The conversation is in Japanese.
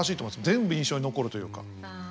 全部印象に残るというか。